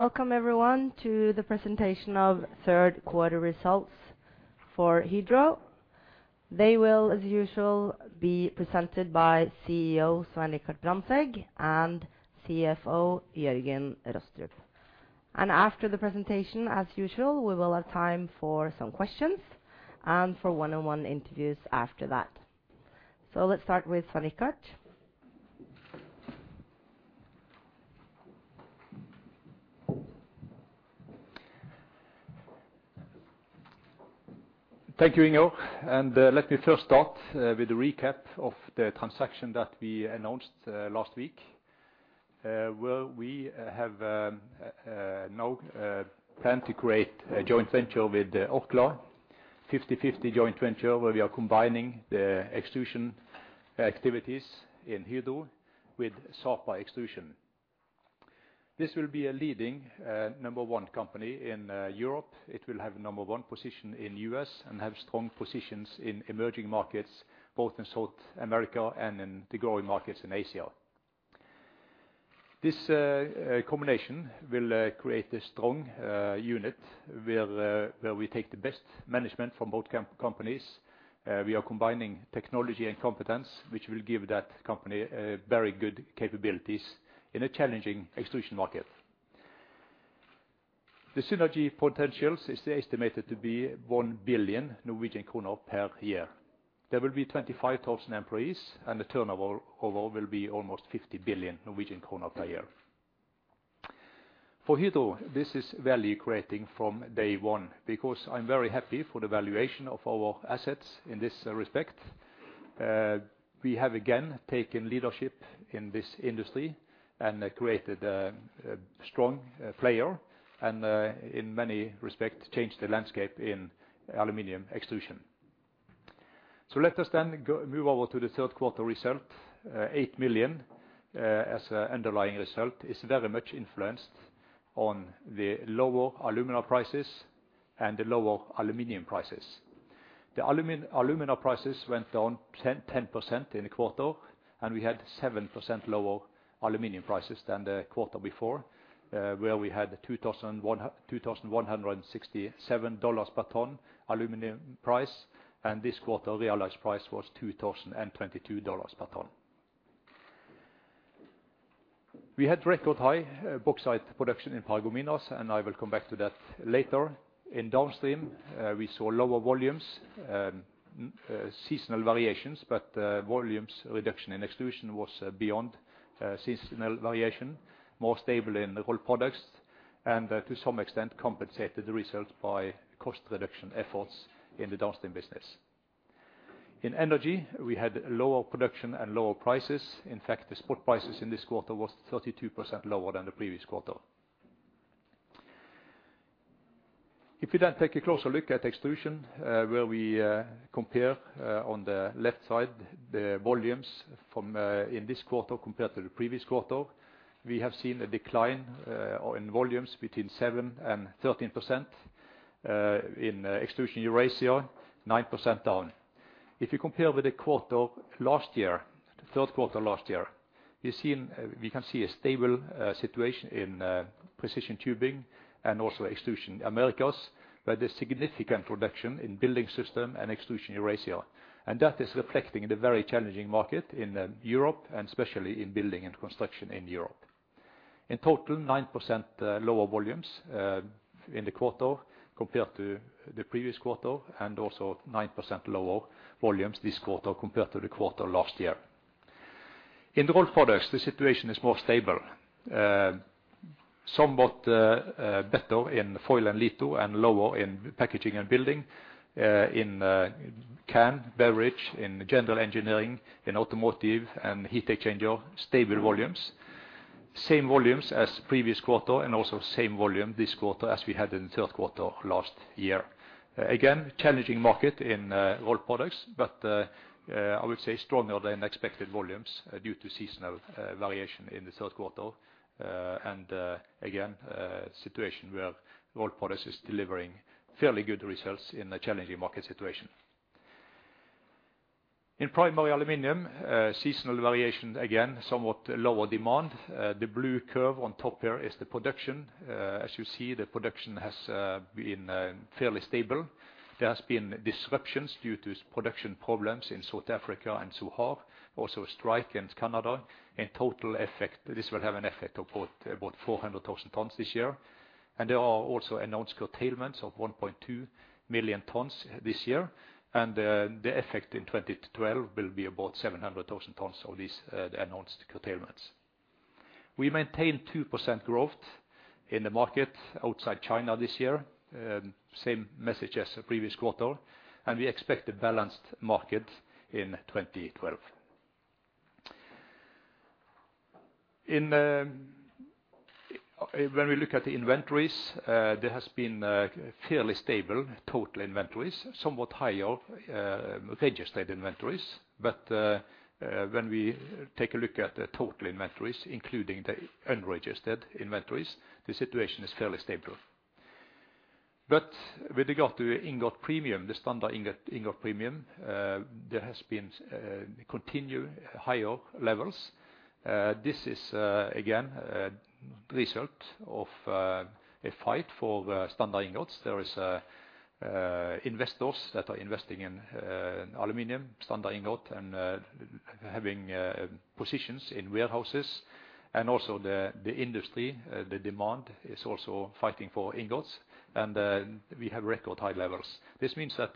Welcome everyone to the presentation of third quarter results for Hydro. They will, as usual, be presented by CEO Svein Richard Brandtzæg and CFO Jørgen A Rostrup. After the presentation, as usual, we will have time for some questions and for one-on-one interviews after that. Let's start with Svein Richard. Thank you, Inger. Let me first start with a recap of the transaction that we announced last week. Where we now plan to create a joint venture with Orkla. 50/50 joint venture, where we are combining the extrusion activities in Hydro with Sapa Extrusion. This will be a leading number one company in Europe. It will have number one position in U.S., and have strong positions in emerging markets, both in South America and in the growing markets in Asia. This combination will create a strong unit where we take the best management from both companies. We are combining technology and competence, which will give that company very good capabilities in a challenging extrusion market. The synergy potentials is estimated to be 1 billion Norwegian kroner per year. There will be 25,000 employees, and the turnover will be almost 50 billion Norwegian krone per year. For Hydro, this is value creating from day one, because I'm very happy for the valuation of our assets in this respect. We have, again, taken leadership in this industry and created a strong player, and in many respects, changed the landscape in aluminum extrusion. Let us then move over to the third quarter result. 8 million as an underlying result is very much influenced on the lower alumina prices and the lower aluminum prices. The alumina prices went down 10% in the quarter, and we had 7% lower aluminum prices than the quarter before, where we had $2,167 per ton aluminum price, and this quarter, realized price was $2,022 per ton. We had record high bauxite production in Paragominas, and I will come back to that later. In downstream, we saw lower volumes, seasonal variations, but volumes reduction in extrusion was beyond seasonal variation. More stable in the Rolled Products, and to some extent, compensated the results by cost reduction efforts in the downstream business. In energy, we had lower production and lower prices. In fact, the spot prices in this quarter was 32% lower than the previous quarter. If you then take a closer look at Extrusion, where we compare on the left side, the volumes from in this quarter compared to the previous quarter, we have seen a decline in volumes between 7%-13% in Extrusion Eurasia, 9% down. If you compare with the quarter last year, the third quarter last year, we can see a stable situation in Precision Tubing and also Extrusion Americas, but a significant reduction in Building Systems and Extrusion Eurasia. That is reflecting the very challenging market in Europe and especially in building and construction in Europe. In total, 9% lower volumes in the quarter, compared to the previous quarter, and also 9% lower volumes this quarter compared to the quarter last year. In Rolled Products, the situation is more stable. Somewhat better in Foil and Litho, and lower in packaging and building, in can beverage, in general engineering, in automotive and heat exchanger, stable volumes. Same volumes as previous quarter and also same volume this quarter as we had in the third quarter last year. Again, challenging market in Rolled Products, but I would say stronger than expected volumes due to seasonal variation in the third quarter. Again, situation where Rolled Products is delivering fairly good results in a challenging market situation. In primary aluminum, seasonal variation, again, somewhat lower demand. The blue curve on top here is the production. As you see, the production has been fairly stable. There has been disruptions due to production problems in South Africa and SUAL. Also a strike in Canada. In total effect, this will have an effect of about 400,000 tons this year. There are also announced curtailments of 1.2 million tons this year. The effect in 2012 will be about 700,000 tons of these announced curtailments. We maintain 2% growth in the market outside China this year. Same message as the previous quarter. We expect a balanced market in 2012. When we look at the inventories, there has been fairly stable total inventories. Somewhat higher registered inventories. When we take a look at the total inventories, including the unregistered inventories, the situation is fairly stable. With regard to ingot premium, the standard ingot premium, there has been continued higher levels. This is again a result of a fight for standard ingots. There is investors that are investing in aluminum standard ingot and having positions in warehouses and also the industry, the demand is also fighting for ingots. We have record high levels. This means that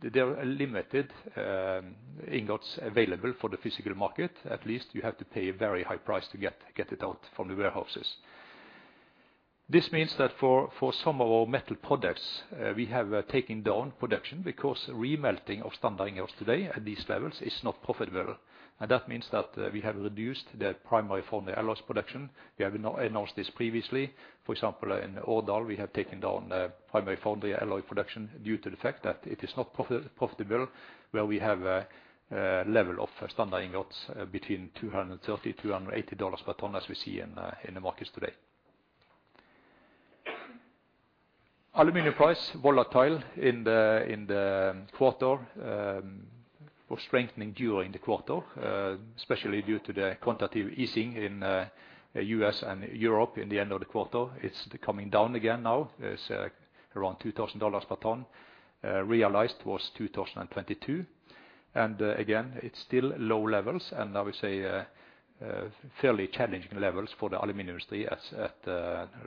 there are limited ingots available for the physical market. At least you have to pay a very high price to get it out from the warehouses. This means that for some of our metal products, we have taken down production because re-melting of standard ingots today at these levels is not profitable. That means that we have reduced their primary foundry alloys production. We have not announced this previously. For example, in Årdal, we have taken down primary foundry alloy production due to the fact that it is not profitable where we have level of standard ingots between $230-$280 per ton as we see in the markets today. Aluminum price volatile in the quarter was strengthening during the quarter, especially due to the quantitative easing in the U.S. and Europe in the end of the quarter. It's coming down again now. It's around $2,000 per ton. Realized was $2,022. Again, it's still low levels. I would say fairly challenging levels for the aluminum industry at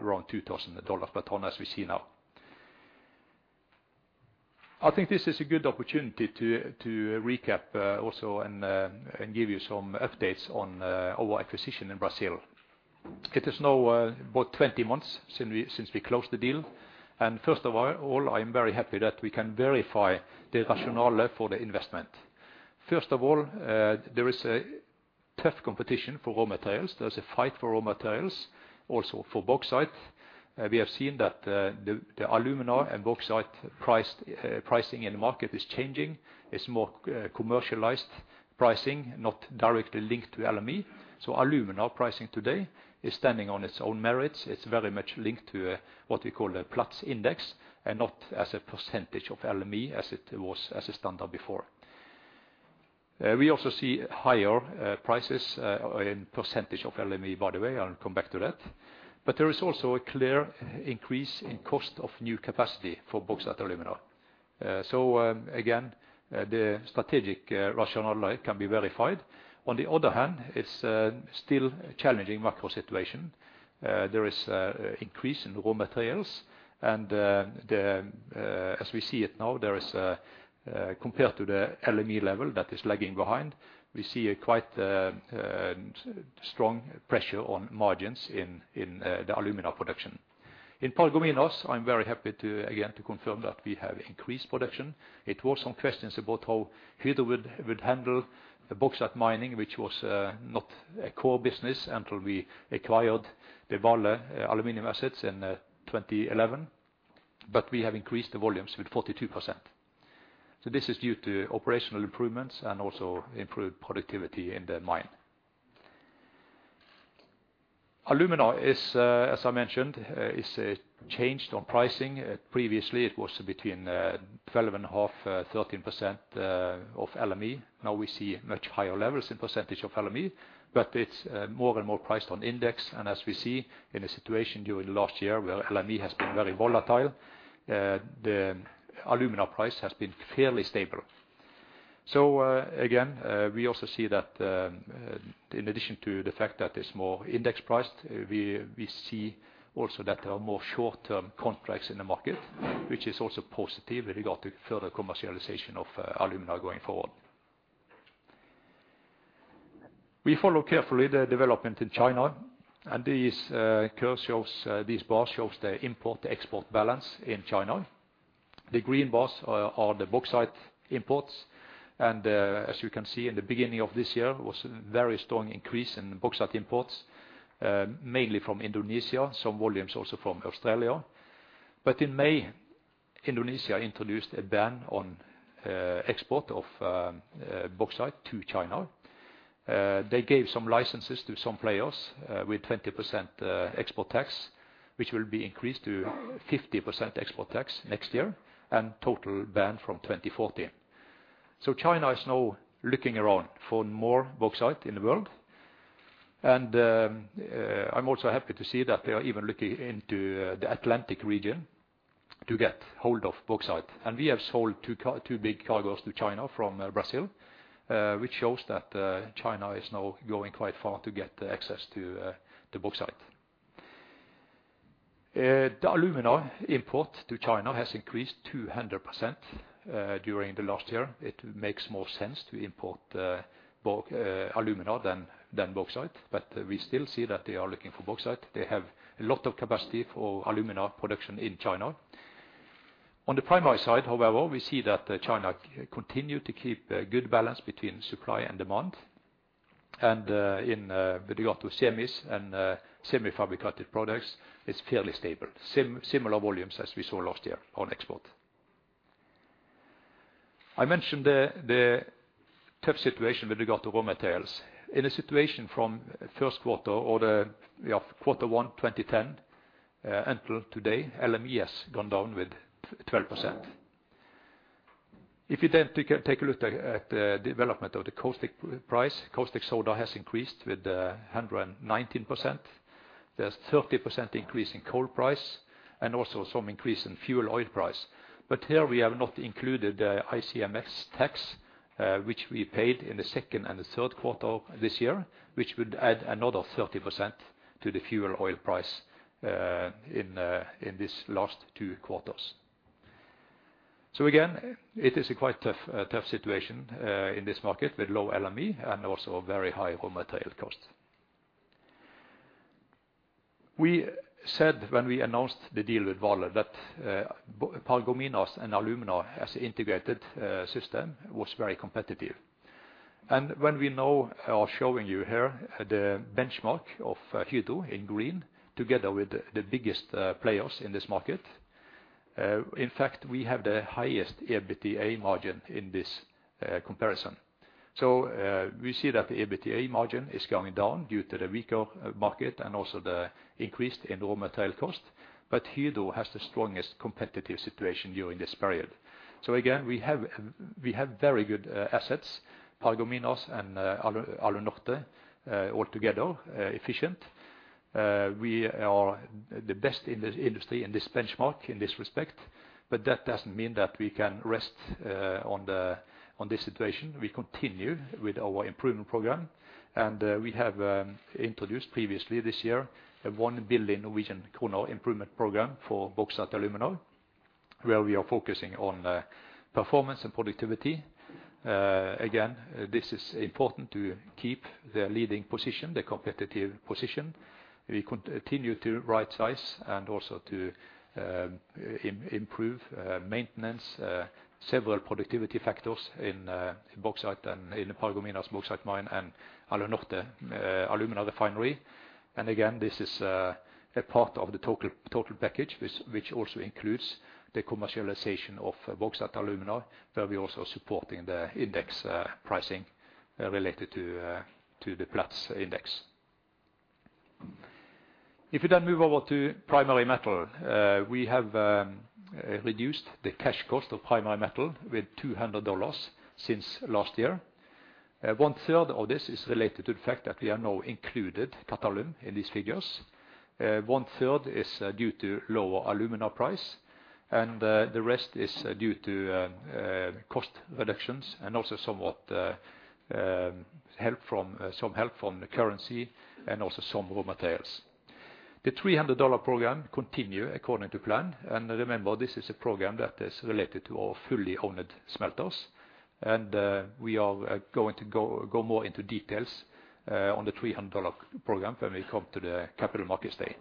around $2,000 per ton as we see now. I think this is a good opportunity to recap also and give you some updates on our acquisition in Brazil. It is now about 20 months since we closed the deal. First of all, I'm very happy that we can verify the rationale for the investment. First of all, there is a tough competition for raw materials. There's a fight for raw materials, also for bauxite. We have seen that the alumina and bauxite pricing in the market is changing. It's more commercialized pricing, not directly linked to LME. Alumina pricing today is standing on its own merits. It's very much linked to what we call a Platts Index and not as a percentage of LME as it was as a standard before. We also see higher prices in percentage of LME, by the way, I'll come back to that. There is also a clear increase in cost of new capacity for bauxite alumina. Again, the strategic rationale can be verified. On the other hand, it's still challenging macro situation. There is increase in raw materials. As we see it now, compared to the LME level that is lagging behind, we see a quite strong pressure on margins in the alumina production. In Paragominas, I'm very happy to again confirm that we have increased production. It was some questions about how Hydro would handle the bauxite mining, which was not a core business until we acquired the Vale aluminum assets in 2011. We have increased the volumes with 42%. This is due to operational improvements and also improved productivity in the mine. Alumina is, as I mentioned, changed on pricing. Previously, it was between 12.5% and 13% of LME. Now we see much higher levels in percentage of LME, but it's more and more priced on index. As we see in a situation during last year where LME has been very volatile, the alumina price has been fairly stable. Again, we also see that, in addition to the fact that it's more index priced, we see also that there are more short-term contracts in the market, which is also positive with regard to further commercialization of alumina going forward. We follow carefully the development in China. This curve shows this bar shows the import-export balance in China. The green bars are the bauxite imports. As you can see, in the beginning of this year was a very strong increase in bauxite imports, mainly from Indonesia, some volumes also from Australia. In May, Indonesia introduced a ban on export of bauxite to China. They gave some licenses to some players with 20% export tax, which will be increased to 50% export tax next year, and total ban from 2040. China is now looking around for more bauxite in the world. I'm also happy to see that they are even looking into the Atlantic region to get hold of bauxite. We have sold two big cargos to China from Brazil, which shows that China is now going quite far to get access to bauxite. The alumina import to China has increased 200% during the last year. It makes more sense to import alumina than bauxite, but we still see that they are looking for bauxite. They have a lot of capacity for alumina production in China. On the primary side, however, we see that China continue to keep a good balance between supply and demand. With regard to semis and semi-fabricated products, it's fairly stable. Similar volumes as we saw last year on export. I mentioned the tough situation with regard to raw materials. In a situation from quarter one 2010 until today, LME has gone down with 12%. If you then take a look at the development of the caustic price, caustic soda has increased with 119%. There's 30% increase in coal price, and also some increase in fuel oil price. But here we have not included ICMS tax, which we paid in the second and third quarter this year, which would add another 30% to the fuel oil price in these last two quarters. Again, it is a quite tough situation in this market with low LME and also very high raw material costs. We said when we announced the deal with Vale that Paragominas and Alunorte as an integrated system was very competitive. When we now are showing you here the benchmark of Hydro in green together with the biggest players in this market, in fact, we have the highest EBITDA margin in this comparison. We see that the EBITDA margin is going down due to the weaker market and also the increase in raw material cost. Hydro has the strongest competitive situation during this period. Again, we have very good assets, Paragominas and Alunorte, altogether efficient. We are the best in the industry in this benchmark, in this respect, but that doesn't mean that we can rest on this situation. We continue with our improvement program, and we have introduced previously this year a 1 billion Norwegian kroner improvement program for Bauxite & Alumina, where we are focusing on performance and productivity. Again, this is important to keep the leading position, the competitive position. We continue to right size and also to improve maintenance, several productivity factors in bauxite and in Paragominas Bauxite Mine and Alunorte Alumina Refinery. Again, this is a part of the total package, which also includes the commercialization of Bauxite & Alumina, where we're also supporting the index pricing related to the Platts Index. If you then move over to Primary Metal, we have reduced the cash cost of Primary Metal with $200 since last year. One third of this is related to the fact that we are now included Qatalum in these figures. One third is due to lower alumina price, and the rest is due to cost reductions and also somewhat help from the currency and also some raw materials. The $300 program continues according to plan, and remember, this is a program that is related to our fully owned smelters. We are going to go more into details on the $300 program when we come to the Capital Markets Day.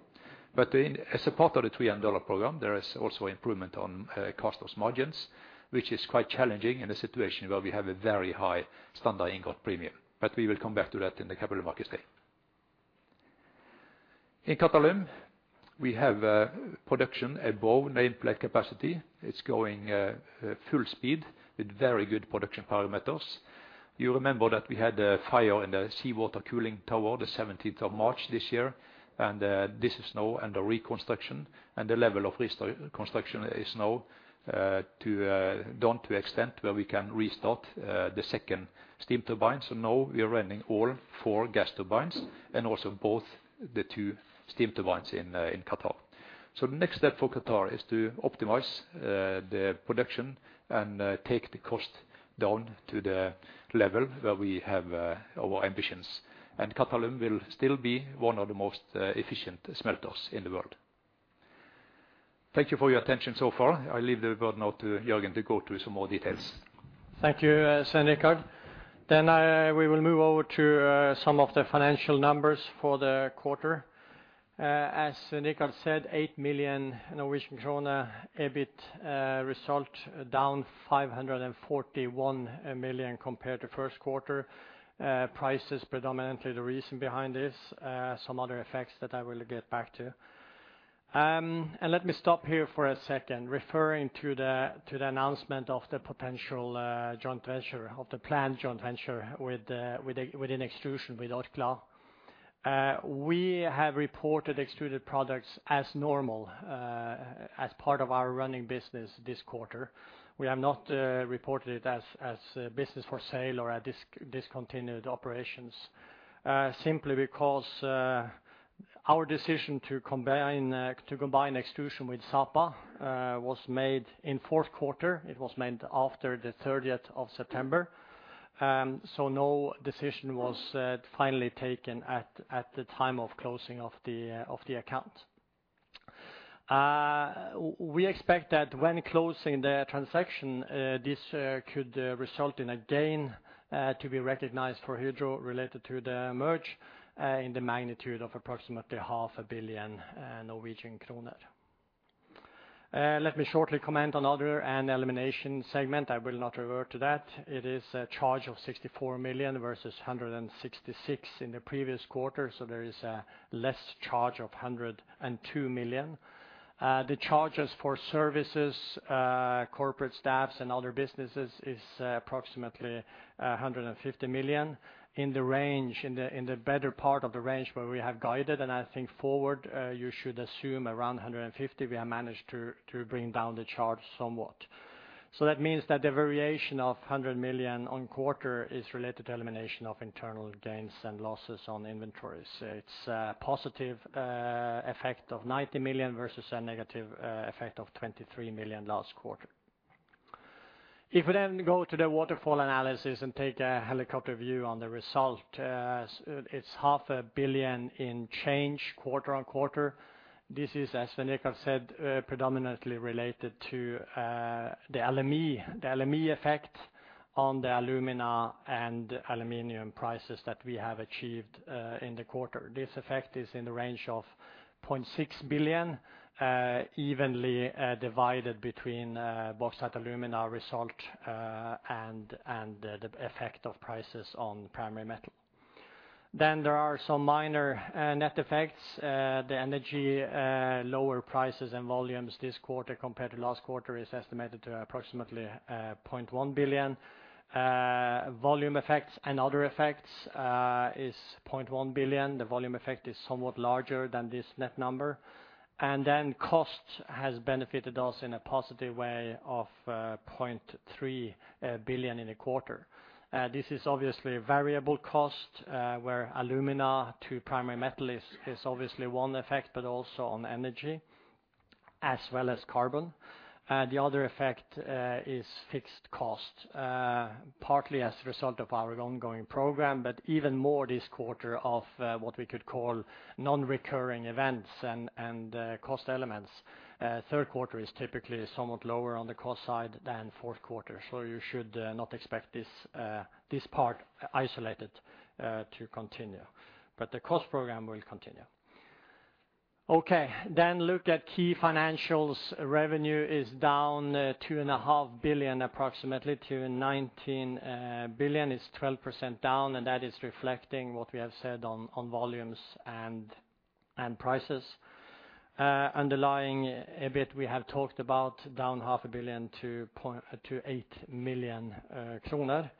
In as a part of the $300 program, there is also improvement on costs and margins, which is quite challenging in a situation where we have a very high standard ingot premium. We will come back to that in the Capital Markets Day. In Qatalum, we have production above nameplate capacity. It's going full speed with very good production parameters. You remember that we had a fire in the seawater cooling tower the seventeenth of March this year, and this is now under reconstruction. The level of reconstruction is now down to the extent where we can restart the second steam turbine. Now we are running all four gas turbines and also both steam turbines in Qatar. Next step for Qatar is to optimize the production and take the costs down to the level where we have our ambitions. Qatalum will still be one of the most efficient smelters in the world. Thank you for your attention so far. I leave the word now to Jørgen to go through some more details. Thank you, Svein Richard. We will move over to some of the financial numbers for the quarter. As Svein Richard said, 8 million Norwegian krone EBIT result, down 541 million compared to first quarter. Price is predominantly the reason behind this, some other effects that I will get back to. Let me stop here for a second, referring to the announcement of the planned joint venture with an extrusion with Alcoa. We have reported Extruded Products as normal, as part of our running business this quarter. We have not reported it as a business for sale or discontinued operations, simply because our decision to combine extrusion with Sapa was made in fourth quarter. It was made after the thirtieth of September, so no decision was finally taken at the time of closing of the account. We expect that when closing the transaction, this could result in a gain to be recognized for Hydro related to the merger in the magnitude of approximately NOK 500 million. Let me shortly comment on Other and Eliminations segment. I will not revert to that. It is a charge of 64 million versus 166 million in the previous quarter, so there is a less charge of 102 million. The charges for services, corporate staff and other businesses is approximately 150 million. In the better part of the range where we have guided, I think forward you should assume around 150 we have managed to bring down the charge somewhat. That means that the variation of 100 million on quarter is related to elimination of internal gains and losses on inventories. It's a positive effect of 90 million versus a negative effect of 23 million last quarter. If we go to the waterfall analysis and take a helicopter view on the result, it's 500 million in change quarter on quarter. This is, as Svein Richard said, predominantly related to the LME effect on the alumina and aluminum prices that we have achieved in the quarter. This effect is in the range of 0.6 billion, evenly divided between bauxite, alumina result, and the effect of prices on Primary Metal. There are some minor net effects. The energy, lower prices and volumes this quarter compared to last quarter is estimated to approximately 0.1 billion. Volume effects and other effects is 0.1 billion. The volume effect is somewhat larger than this net number. Cost has benefited us in a positive way of 0.3 billion in a quarter. This is obviously variable cost, where alumina to Primary Metal is obviously one effect, but also on energy as well as carbon. The other effect is fixed cost partly as a result of our ongoing program, but even more this quarter of what we could call non-recurring events and cost elements. Third quarter is typically somewhat lower on the cost side than fourth quarter. You should not expect this part isolated to continue. The cost program will continue. Okay, look at key financials. Revenue is down two and a half billion, approximately to 19 billion. It's 12% down, and that is reflecting what we have said on volumes and prices. Underlying EBIT, we have talked about down 500 million to 8 million kroner.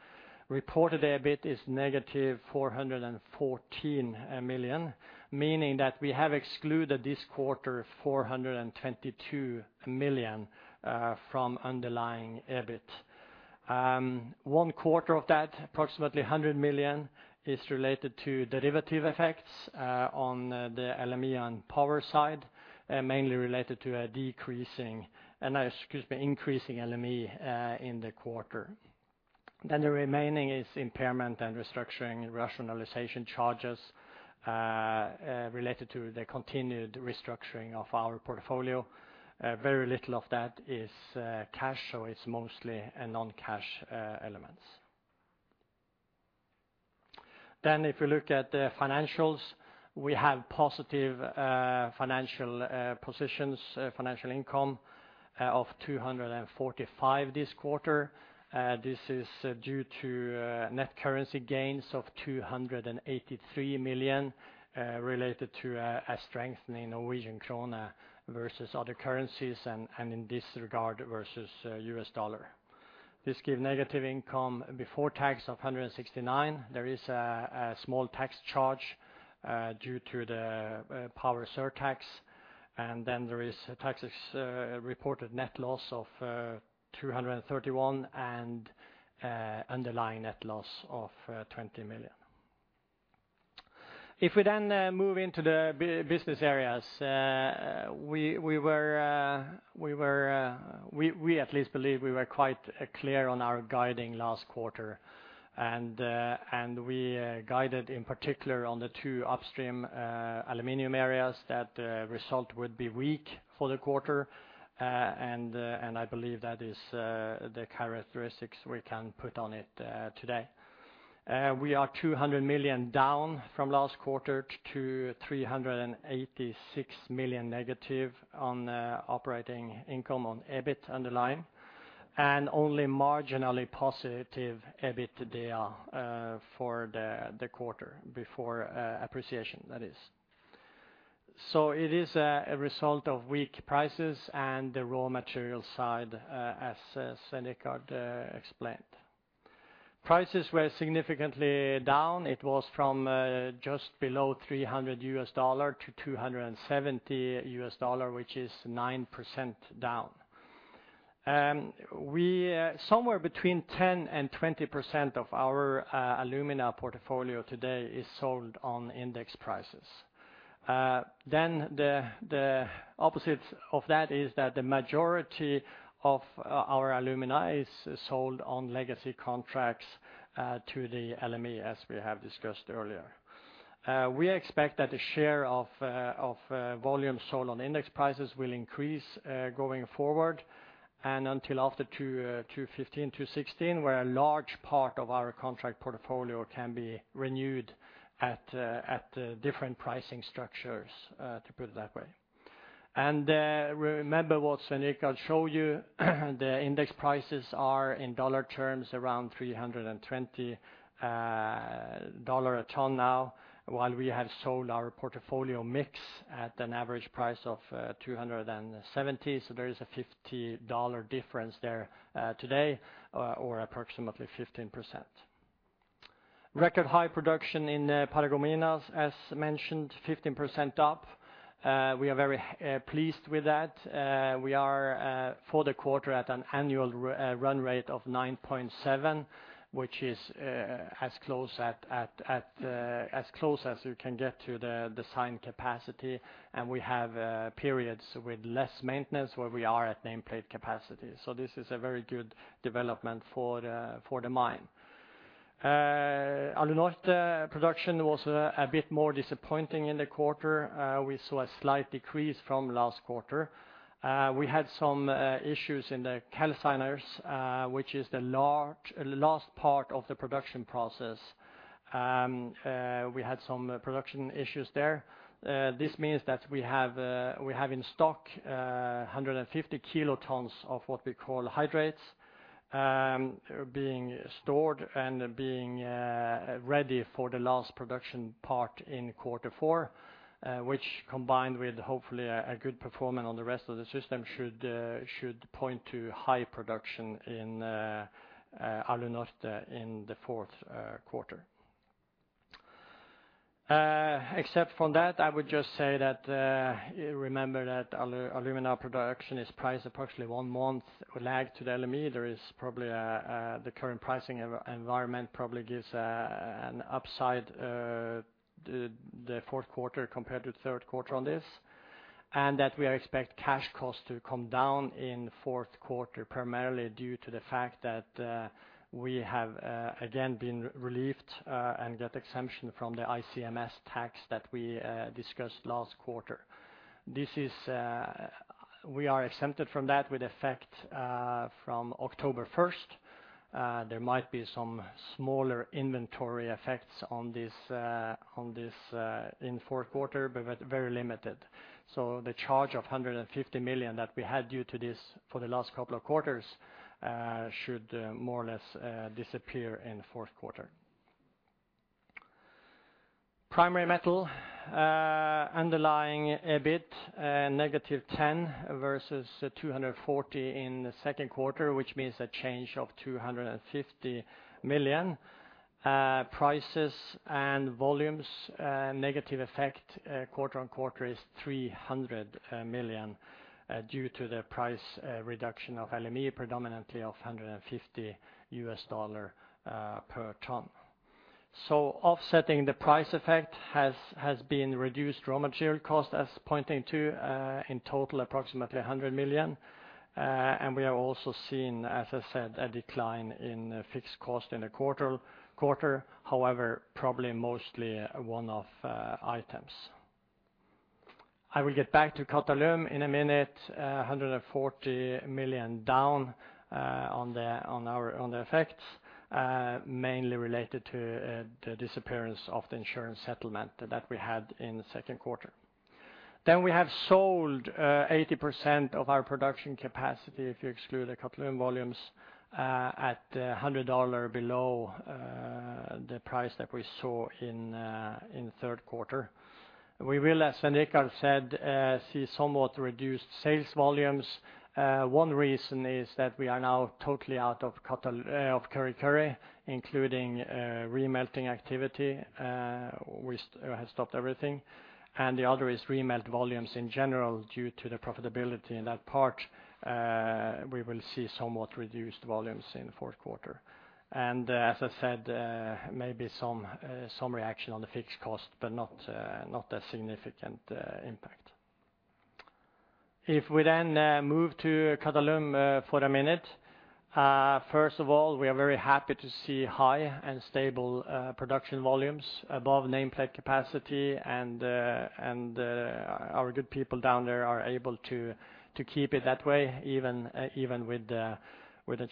Reported EBIT is negative 414 million, meaning that we have excluded this quarter 422 million from underlying EBIT. One quarter of that, approximately 100 million, is related to derivative effects on the LME and power side, mainly related to an increasing LME in the quarter. The remaining is impairment and restructuring and rationalization charges related to the continued restructuring of our portfolio. Very little of that is cash, so it's mostly non-cash elements. If you look at the financials, we have positive financial income of 245 this quarter. This is due to net currency gains of 283 million related to a strengthening Norwegian krone versus other currencies and in this regard versus U.S. dollar. This give negative income before tax of 169. There is a small tax charge due to the power surtax. There is a tax-reported net loss of 231 million and underlying net loss of 20 million. If we then move into the business areas, we at least believe we were quite clear on our guidance last quarter. We guided in particular on the two upstream aluminum areas that the result would be weak for the quarter. I believe that is the characteristic we can put on it today. We are 200 million down from last quarter to negative 386 million on operating income, EBIT underlying. Only marginally positive EBITDA for the quarter before appreciation, that is. It is a result of weak prices and the raw material side, as Svein Richard explained. Prices were significantly down. It was from just below $300 to $270, which is 9% down. Somewhere between 10% and 20% of our alumina portfolio today is sold on index prices. Then the opposite of that is that the majority of our alumina is sold on legacy contracts to the LME, as we have discussed earlier. We expect that the share of volume sold on index prices will increase going forward until after 2015, 2016, where a large part of our contract portfolio can be renewed at different pricing structures to put it that way. Remember what Svein Richard had showed you, the index prices are in dollar terms around $320 a ton now, while we have sold our portfolio mix at an average price of $270. There is a $50 difference there today or approximately 15%. Record high production in Paragominas, as mentioned, 15% up. We are very pleased with that. We are for the quarter at an annual run rate of 9.7, which is as close as you can get to the designed capacity. We have periods with less maintenance where we are at nameplate capacity. This is a very good development for the mine. Alunorte production was a bit more disappointing in the quarter. We saw a slight decrease from last quarter. We had some issues in the calciners, which is the last part of the production process. We had some production issues there. This means that we have in stock 150 kilotons of what we call hydrates being stored and being ready for the last production part in quarter four, which combined with hopefully a good performance on the rest of the system should point to high production in Alunorte in the fourth quarter. Except from that, I would just say that remember that alumina production is priced approximately one month lag to the LME. There is probably the current pricing environment probably gives an upside the fourth quarter compared to the third quarter on this. that we expect cash costs to come down in fourth quarter, primarily due to the fact that we have again been relieved and got exemption from the ICMS tax that we discussed last quarter. We are exempted from that with effect from October 1. There might be some smaller inventory effects on this in fourth quarter, but very limited. The charge of 150 million that we had due to this for the last couple of quarters should more or less disappear in fourth quarter. Primary Metal underlying EBIT negative 10 million versus 240 million in the second quarter, which means a change of 250 million. Prices and volumes negative effect quarter-over-quarter is 300 million due to the price reduction of LME, predominantly of $150 per ton. Offsetting the price effect has been reduced raw material cost, amounting to in total approximately 100 million. We have also seen, as I said, a decline in fixed cost in the quarter. However, probably mostly one-off items. I will get back to Qatalum in a minute. 140 million down on the effects mainly related to the disappearance of the insurance settlement that we had in the second quarter. We have sold 80% of our production capacity, if you exclude the Qatalum volumes, at $100 below the price that we saw in third quarter. We will, as Svein Richard had said, see somewhat reduced sales volumes. One reason is that we are now totally out of Kurri Kurri, including remelting activity, we have stopped everything. The other is remelt volumes in general due to the profitability in that part, we will see somewhat reduced volumes in the fourth quarter. As I said, maybe some reaction on the fixed cost, but not a significant impact. If we then move to Qatalum for a minute. First of all, we are very happy to see high and stable production volumes above nameplate capacity and our good people down there are able to keep it that way, even with the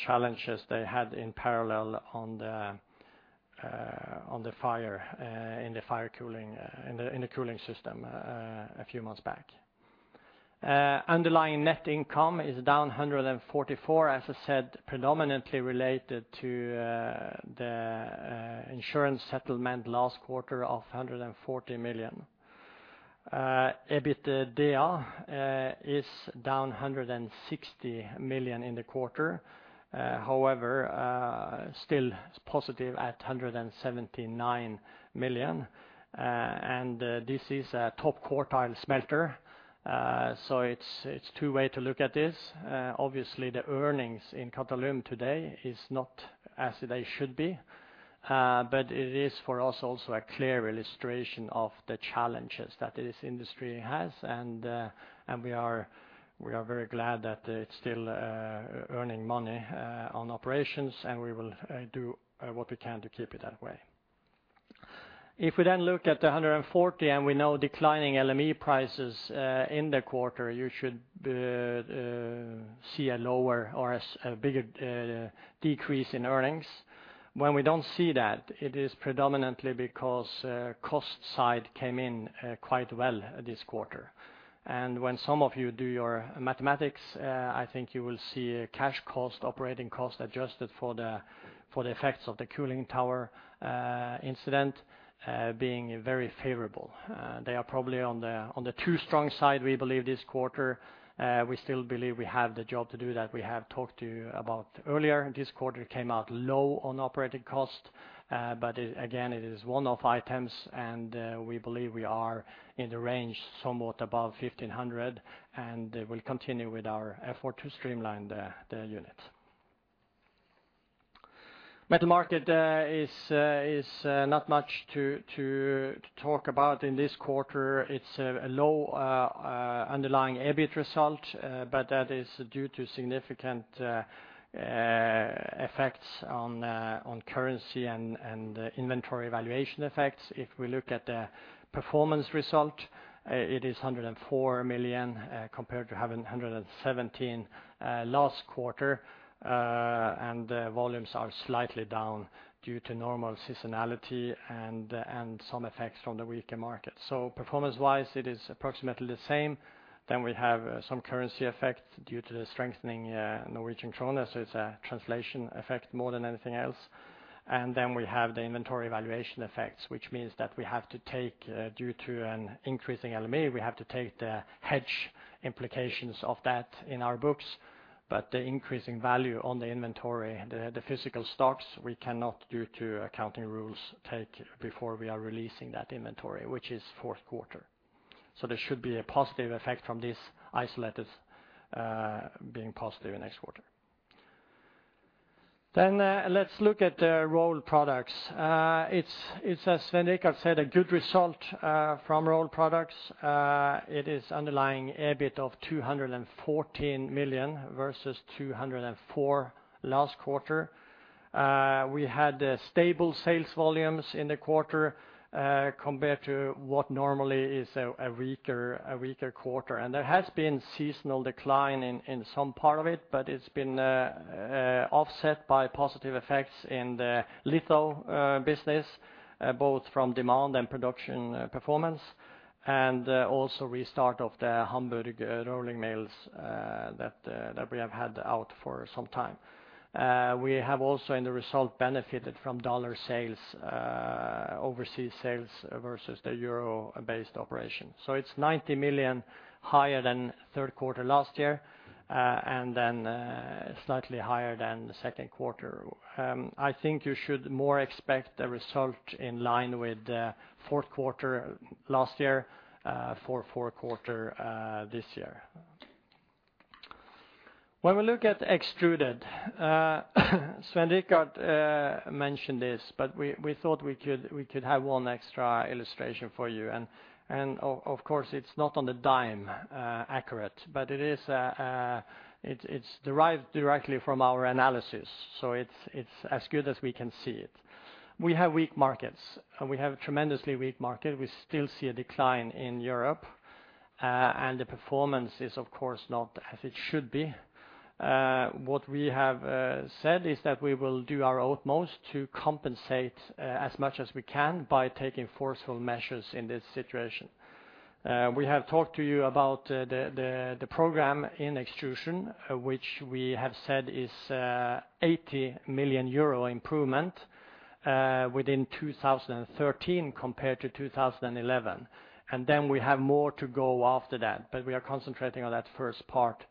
challenges they had in parallel on the fire in the cooling system a few months back. Underlying net income is down 144 million, as I said, predominantly related to the insurance settlement last quarter of 144 million. EBITDA is down 160 million in the quarter, however, still positive at 179 million. This is a top quartile smelter, so it's two ways to look at this. Obviously the earnings in Qatalum today is not as they should be, but it is for us also a clear illustration of the challenges that this industry has and we are very glad that it's still earning money on operations and we will do what we can to keep it that way. If we look at the $140 and we know declining LME prices in the quarter, you should see a lower or a bigger decrease in earnings. When we don't see that, it is predominantly because cost side came in quite well this quarter. When some of you do your mathematics, I think you will see a cash cost, operating cost adjusted for the effects of the cooling tower incident being very favorable. They are probably on the too strong side, we believe this quarter. We still believe we have the job to do that we have talked to you about earlier. This quarter came out low on operating cost, but again, it is one-off items, and we believe we are in the range somewhat above 1,500, and we'll continue with our effort to streamline the unit. Metal Markets is not much to talk about in this quarter. It's a low underlying EBIT result, but that is due to significant effects on currency and inventory valuation effects. If we look at the performance result, it is 104 million compared to 117 million last quarter. Volumes are slightly down due to normal seasonality and some effects from the weaker market. Performance-wise, it is approximately the same. We have some currency effects due to the strengthening Norwegian kroner, so it's a trans``lation effect more than anything else. We have the inventory valuation effects, which means that due to an increasing LME we have to take the hedge implications of that in our books. But the increasing value on the inventory, the physical stocks, we cannot due to accounting rules take before we are releasing that inventory, which is fourth quarter. There should be a positive effect from this being positive in next quarter. Let's look at the Rolled Products. It's as Svein Richard said, a good result from Rolled Products. It is underlying EBIT of 214 million versus 204 million last quarter. We had stable sales volumes in the quarter compared to what normally is a weaker quarter. There has been seasonal decline in some part of it, but it's been offset by positive effects in the litho business both from demand and production performance, and also restart of the Hamburg rolling mills that we have had out for some time. We have also in the result benefited from dollar sales overseas sales versus the euro-based operation. It's 90 million higher than third quarter last year, and then slightly higher than the second quarter. I think you should more expect a result in line with the fourth quarter last year, for fourth quarter, this year. When we look at extruded, Svein Richard mentioned this, but we thought we could have one extra illustration for you. Of course, it's not on the dime accurate, but it's derived directly from our analysis. It's as good as we can see it. We have weak markets, and we have a tremendously weak market. We still see a decline in Europe, and the performance is, of course, not as it should be. What we have said is that we will do our utmost to compensate as much as we can by taking forceful measures in this situation. We have talked to you about the program in extrusion, which we have said is 80 million euro improvement within 2013 compared to 2011. Then we have more to go after that, but we are concentrating on that first part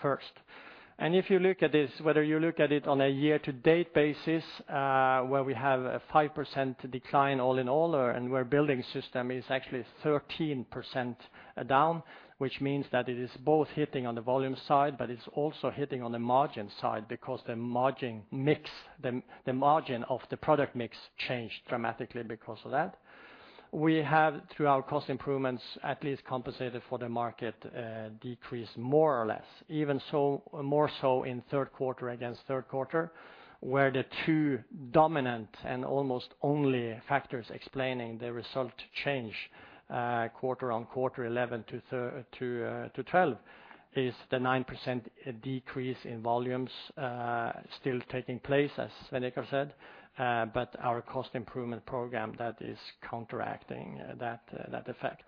first. If you look at this, whether you look at it on a year-to-date basis, where we have a 5% decline all in all, and where Building Systems is actually 13% down, which means that it is both hitting on the volume side, but it's also hitting on the margin side because the margin mix, the margin of the product mix changed dramatically because of that. We have, through our cost improvements, at least compensated for the market decrease more or less. Even so, more so in third quarter against third quarter, where the two dominant and almost only factors explaining the result change, quarter on quarter 11 to 12 is the 9% decrease in volumes, still taking place, as Svein Richard said, but our cost improvement program, that is counteracting that effect.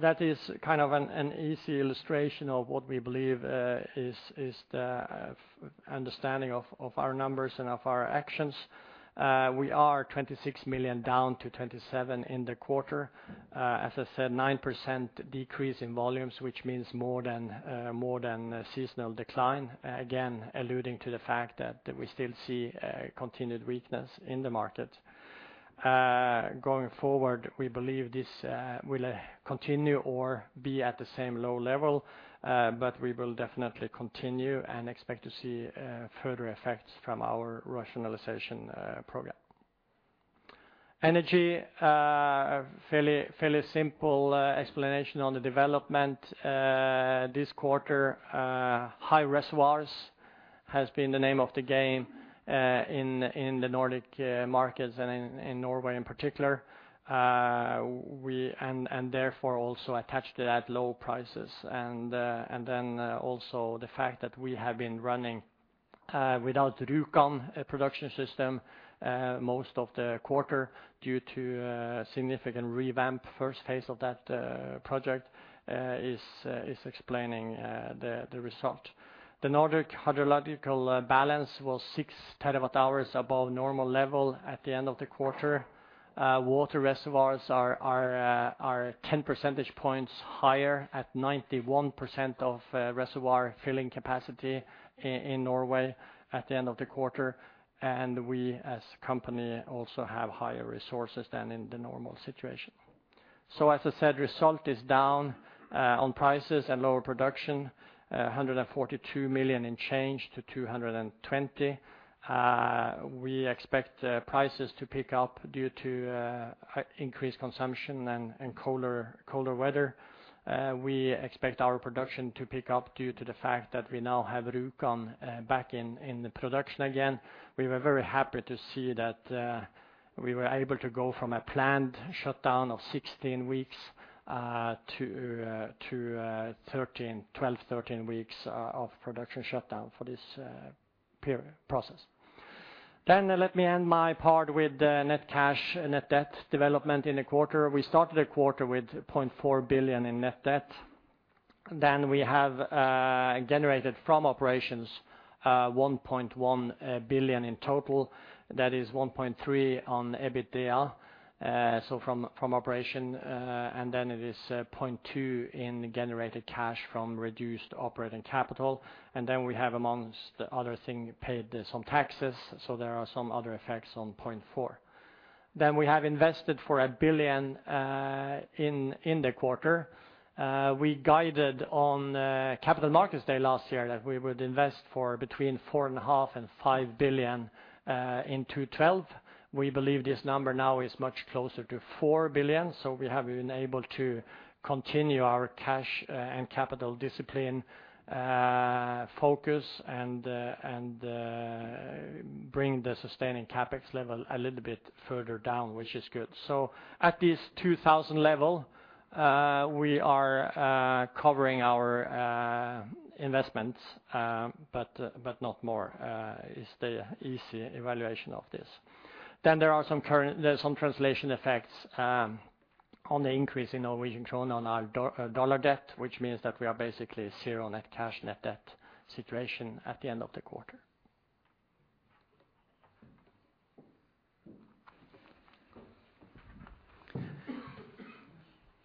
That is kind of an easy illustration of what we believe is the understanding of our numbers and of our actions. We are 26 million down to 27 million in the quarter. As I said, 9% decrease in volumes, which means more than a seasonal decline, again alluding to the fact that we still see continued weakness in the market. Going forward, we believe this will continue or be at the same low level, but we will definitely continue and expect to see further effects from our rationalization program. Energy, fairly simple explanation on the development. This quarter, high reservoirs has been the name of the game in the Nordic markets and in Norway in particular. Therefore also attached to that low prices. Also the fact that we have been running without Rjukan production system most of the quarter due to a significant revamp. First phase of that project is explaining the result. The Nordic hydrological balance was 6 terawatt hours above normal level at the end of the quarter. Water reservoirs are 10 percentage points higher at 91% of reservoir filling capacity in Norway at the end of the quarter. We as a company also have higher resources than in the normal situation. As I said, result is down on prices and lower production, 142 million change to 220. We expect prices to pick up due to increased consumption and colder weather. We expect our production to pick up due to the fact that we now have Rjukan back in production again. We were very happy to see that we were able to go from a planned shutdown of 16 weeks to 12-13 weeks of production shutdown for this period process. Let me end my part with net cash and net debt development in the quarter. We started the quarter with 0.4 billion in net debt. We have generated from operations 1.1 billion in total. That is 1.3 on EBITDA, so from operation and then it is 0.2 in generated cash from reduced operating capital. We have among other things paid some taxes, so there are some other effects on 0.4. We have invested 1 billion in the quarter. We guided on Capital Markets Day last year that we would invest for between 4.5 billion and 5 billion in 2012. We believe this number now is much closer to 4 billion, so we have been able to continue our cash and capital discipline focus and bring the sustaining CapEx level a little bit further down, which is good. At this $2,000 level, we are covering our investments but not more is the easy evaluation of this. There are some translation effects on the increase in Norwegian krone on our dollar debt, which means that we are basically zero net cash net debt situation at the end of the quarter.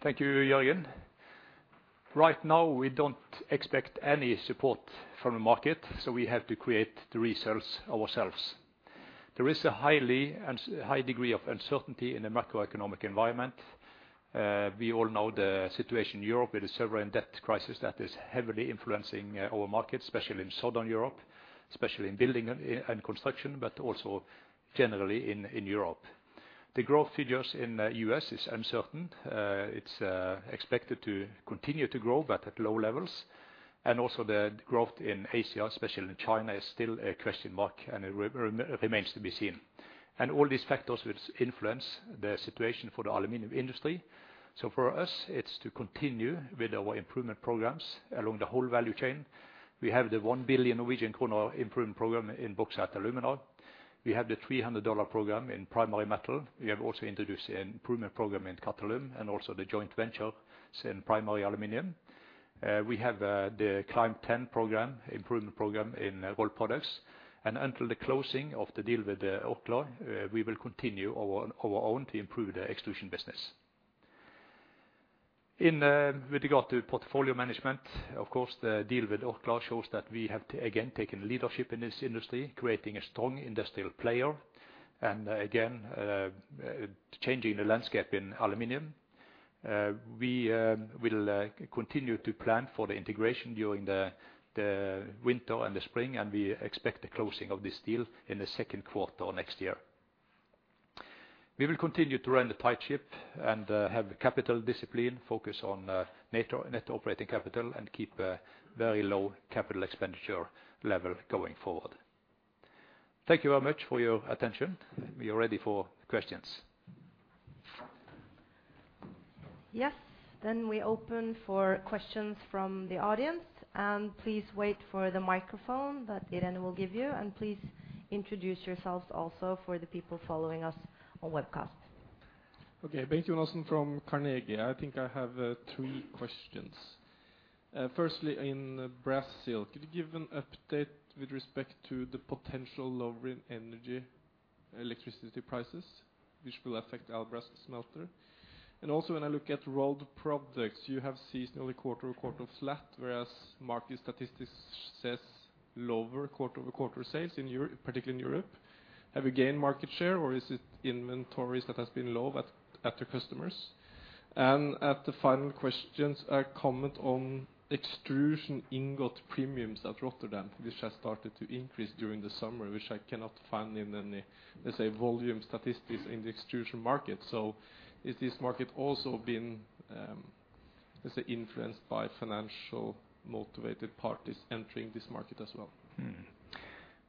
Thank you, Jørgen. Right now, we don't expect any support from the market, so we have to create the results ourselves. There is a high degree of uncertainty in the macroeconomic environment. We all know the situation in Europe with the sovereign debt crisis that is heavily influencing our market, especially in Southern Europe, especially in building and construction, but also generally in Europe. The growth figures in U.S. is uncertain. It's expected to continue to grow, but at low levels. The growth in Asia, especially in China, is still a question mark, and it remains to be seen. All these factors which influence the situation for the aluminum industry. For us, it's to continue with our improvement programs along the whole value chain. We have the 1 billion Norwegian kroner improvement program in Bauxite & Alumina. We have the $300 program in Primary Metal. We have also introduced an improvement program in Qatalum, and also the joint venture in primary aluminum. We have the Climb 10 program, improvement program in Rolled Products. Until the closing of the deal with Orkla, we will continue our own to improve the Extrusion business. In with regard to portfolio management, of course, the deal with Orkla shows that we have again taken leadership in this industry, creating a strong industrial player, and again, changing the landscape in aluminum. We will continue to plan for the integration during the winter and the spring, and we expect the closing of this deal in the second quarter next year. We will continue to run the tight ship and have capital discipline, focus on net operating capital, and keep a very low capital expenditure level going forward. Thank you very much for your attention. We are ready for questions. Yes. We open for questions from the audience. Please wait for the microphone that Irene will give you, and please introduce yourselves also for the people following us on webcast. Bengt Jonassen from Carnegie. I think I have three questions. Firstly, in Brazil, could you give an update with respect to the potential lowering of energy, electricity prices, which will affect Albras smelter? Also, when I look at Rolled Products, you have seasonally quarter-over-quarter flat, whereas market statistics says lower quarter-over-quarter sales in Europe, particularly in Europe. Have you gained market share, or is it inventories that has been low at your customers? The final question, a comment on extrusion ingot premiums at Rotterdam. This has started to increase during the summer, which I cannot find in any, let's say, volume statistics in the extrusion market. So has this market also been, let's say, influenced by financially motivated parties entering this market as well?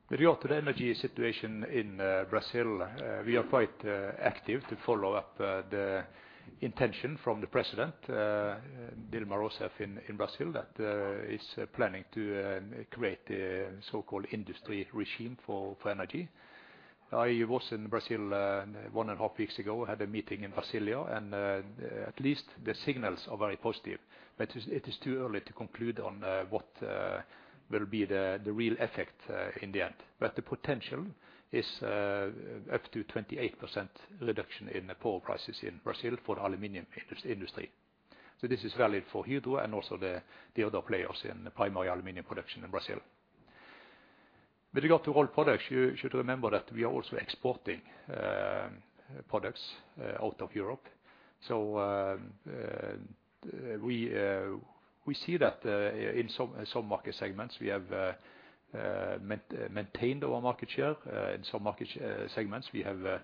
With regard to the energy situation in Brazil, we are quite active to follow up the intention from the President Dilma Rousseff in Brazil that is planning to create a so-called industry regime for energy. I was in Brazil one and a half weeks ago, had a meeting in Brasília, and at least the signals are very positive. It is too early to conclude on what will be the real effect in the end. The potential is up to 28% reduction in the power prices in Brazil for aluminum industry. This is valid for Hydro and also the other players in the primary aluminum production in Brazil. With regard to Rolled Products, you should remember that we are also exporting products out of Europe. We see that in some market segments we have maintained our market share. In some market segments we have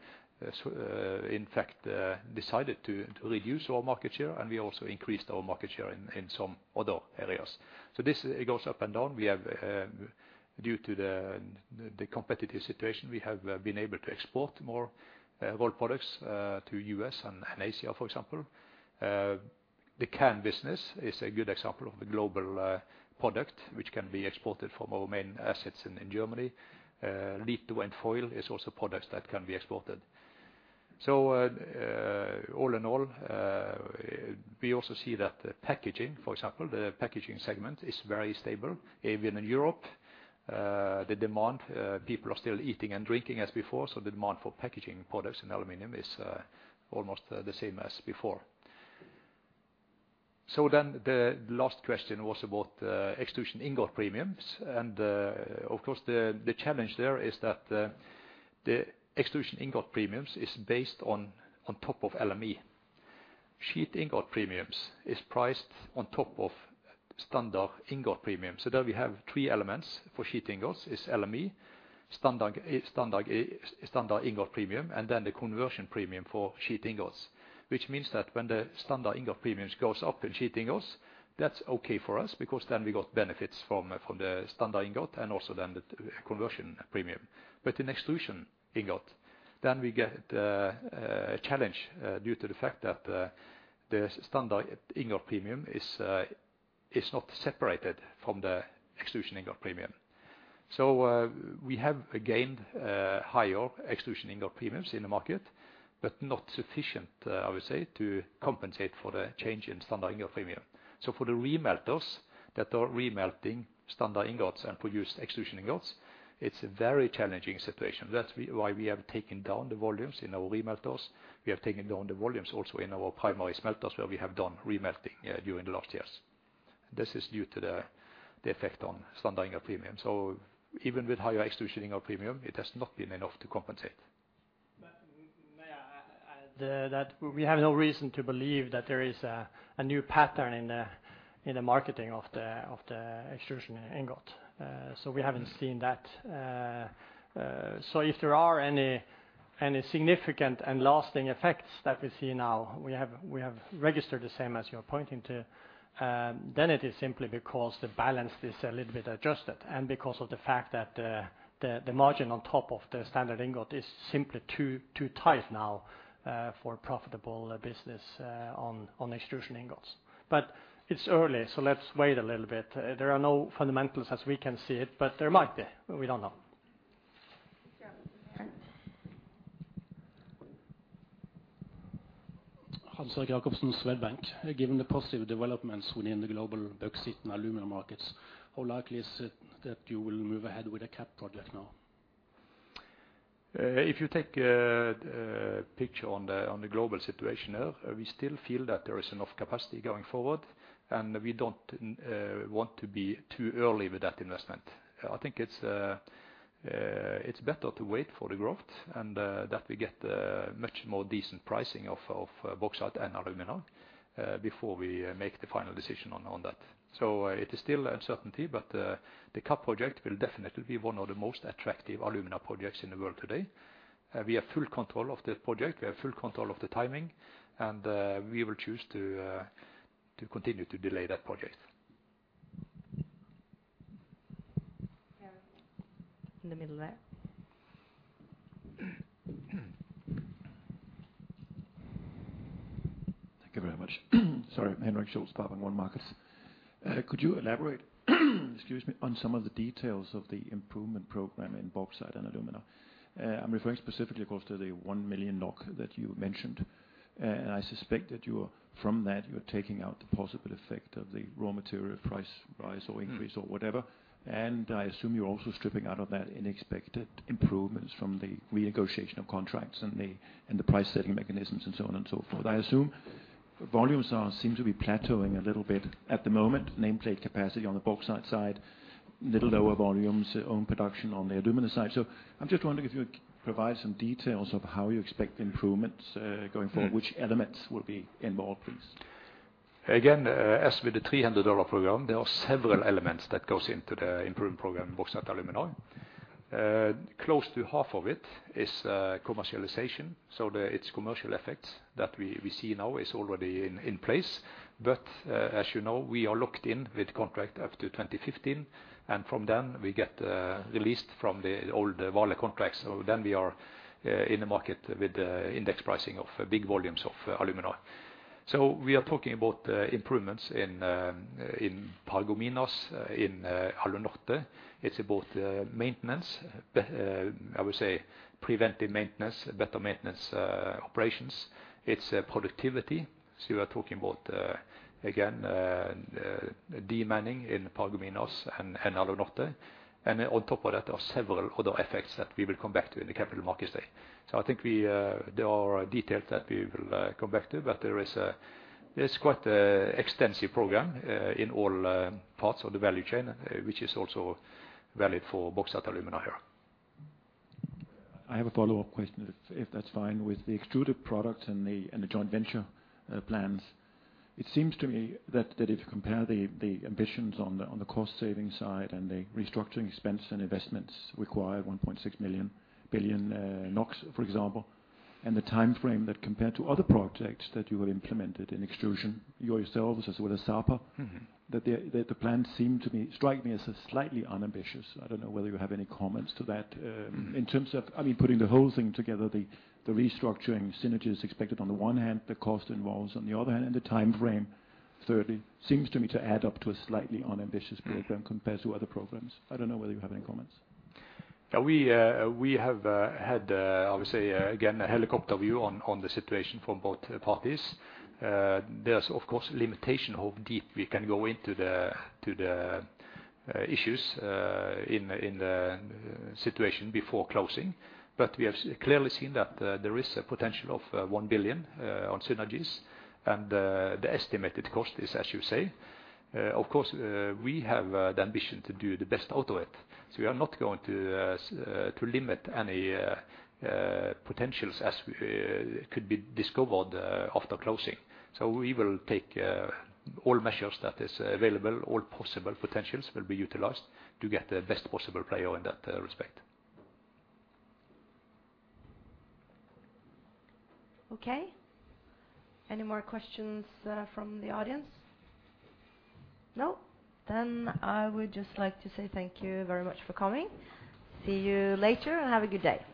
in fact decided to reduce our market share, and we also increased our market share in some other areas. It goes up and down. Due to the competitive situation, we have been able to export more Rolled Products to U.S. and Asia, for example. The can business is a good example of the global product which can be exported from our main assets in Germany. Sheet and foil is also products that can be exported. All in all, we also see that the packaging, for example, the packaging segment is very stable, even in Europe. The demand, people are still eating and drinking as before, so the demand for packaging products in aluminum is almost the same as before. The last question was about extrusion ingot premiums. Of course, the challenge there is that the extrusion ingot premiums is based on top of LME. Sheet ingot premiums is priced on top of standard ingot premium. There we have three elements for sheet ingots is LME, standard ingot premium, and then the conversion premium for sheet ingots, which means that when the standard ingot premiums goes up in sheet ingots, that's okay for us because then we got benefits from the standard ingot and also then the conversion premium. In extrusion ingot, we get a challenge due to the fact that the standard ingot premium is not separated from the extrusion ingot premium. We have gained higher extrusion ingot premiums in the market, but not sufficient, I would say, to compensate for the change in standard ingot premium. For the re-melters that are re-melting standard ingots and produce extrusion ingots, it's a very challenging situation. That's why we have taken down the volumes in our re-melters. We have taken down the volumes also in our primary smelters, where we have done re-melting during the last years. This is due to the effect on standard ingot premium. Even with higher extrusion ingot premium, it has not been enough to compensate. May I add that we have no reason to believe that there is a new pattern in the marketing of the extrusion ingot. We haven't seen that. If there are any significant and lasting effects that we see now, we have registered the same as you're pointing to, then it is simply because the balance is a little bit adjusted and because of the fact that the margin on top of the standard ingot is simply too tight now for profitable business on extrusion ingots. It's early, let's wait a little bit. There are no fundamentals as we can see it, but there might be. We don't know. Hans-Erik Jacobsen, Swedbank. Given the positive developments within the global bauxite and alumina markets, how likely is it that you will move ahead with a CAP project now? If you take a picture of the global situation here, we still feel that there is enough capacity going forward, and we don't want to be too early with that investment. I think it's better to wait for the growth and that we get much more decent pricing of bauxite and alumina before we make the final decision on that. There is still uncertainty, but the CAP project will definitely be one of the most attractive alumina projects in the world today. We have full control of the project. We have full control of the timing, and we will choose to continue to delay that project. Yeah. In the middle there. Thank you very much. Sorry. Henrik Schultz, SpareBank 1 Markets. Could you elaborate, excuse me, on some of the details of the improvement program in Bauxite and Alumina? I'm referring specifically, of course, to the 1 million NOK that you mentioned. I suspect that you're, from that, you're taking out the possible effect of the raw material price rise or increase or whatever. I assume you're also stripping out of that unexpected improvements from the renegotiation of contracts and the price setting mechanisms and so on and so forth. I assume volumes seem to be plateauing a little bit at the moment, nameplate capacity on the bauxite side, little lower volumes, own production on the alumina side. I'm just wondering if you could provide some details of how you expect improvements going forward, which elements will be involved, please? Again, as with the $300 program, there are several elements that goes into the improvement program Bauxite & Alumina. Close to half of it is commercialization. The, it's commercial effects that we see now is already in place. As you know, we are locked in with contract up to 2015, and from then we get released from the old Vale contracts. We are in the market with the index pricing of big volumes of alumina. We are talking about improvements in Paragominas, in Alunorte. It's about maintenance, I would say preventive maintenance, better maintenance, operations. It's productivity. We are talking about again de-manning in Paragominas and Alunorte. On top of that are several other effects that we will come back to in the Capital Markets Day. I think there are details that we will come back to, but there is, it's quite extensive program in all parts of the value chain, which is also valid for Bauxite & Alumina here. I have a follow-up question, if that's fine. With the extruded products and the joint venture plans, it seems to me that if you compare the ambitions on the cost-saving side and the restructuring expense and investments require 1.6 billion NOK, for example, and the timeframe that compared to other projects that you have implemented in extrusion yourselves as well as Sapa Mm-hmm. The plan seems to strike me as slightly unambitious. I don't know whether you have any comments to that, in terms of, I mean, putting the whole thing together, the restructuring synergies expected on the one hand, the costs involved on the other hand, and the timeframe, thirdly, seems to me to add up to a slightly unambitious program compared to other programs. I don't know whether you have any comments. Yeah. We have had obviously, again, a helicopter view on the situation from both parties. There's of course limitation of how deep we can go into the issues in the situation before closing. We have clearly seen that there is a potential of 1 billion on synergies, and the estimated cost is, as you say. Of course, we have the ambition to do the best out of it. We are not going to limit any potentials that could be discovered after closing. We will take all measures that is available, all possible potentials will be utilized to get the best possible play out in that respect. Okay. Any more questions from the audience? No? I would just like to say thank you very much for coming. See you later, and have a good day.